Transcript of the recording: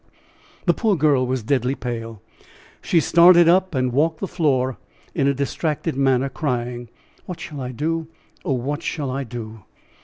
The poor girl was deadly pale; she started up and walked the floor in a distracted manner, crying: "What shall I do! Oh! what shall I do?"